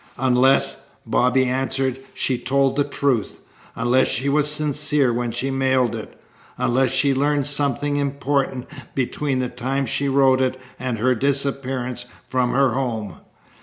"Unless," Bobby answered, "she told the truth. Unless she was sincere when she mailed it. Unless she learned something important between the time she wrote it and her disappearance from her home."